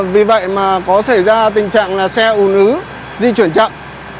vì vậy mà có xảy ra tình trạng là xe ùn ứ di chuyển chậm